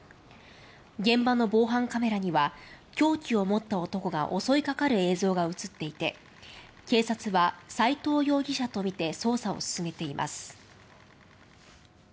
現場の防犯カメラには凶器をもった男が襲い掛かる映像が映っていて警察は斎藤容疑者とみて捜査を進めています。